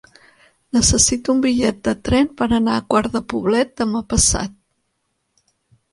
Necessito un bitllet de tren per anar a Quart de Poblet demà passat.